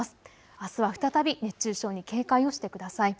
あすは再び熱中症に警戒をしてください。